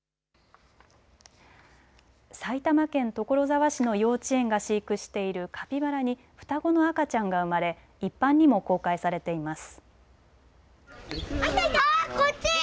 埼玉県所沢市の幼稚園が飼育しているカピバラに双子の赤ちゃんが生まれ一般にも公開されています。